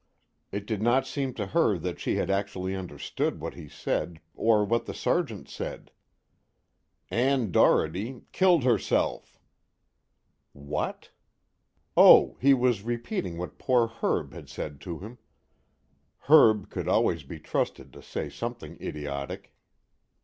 It did not seem to her that she had actually understood what he said, or what the Sergeant said. "Ann Doherty killed herself." What? Oh he was repeating what poor Herb had said to him. Herb could always be trusted to say something idiotic.